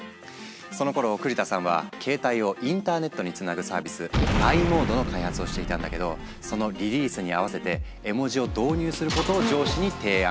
そのころ栗田さんはケータイをインターネットにつなぐサービス「ｉモード」の開発をしていたんだけどそのリリースに合わせて絵文字を導入することを上司に提案。